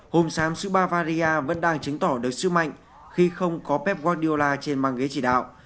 hôm sáng sipa varia vẫn đang chứng tỏ được sức mạnh khi không có pep guardiola trên băng ghế chỉ đạo